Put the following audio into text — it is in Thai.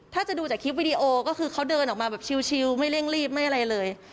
ถ้าจะดูจากคลิปวิดีโอก็คือเขาเดินออกมาแบบชิลไม่เร่งรีบไม่อะไรเลย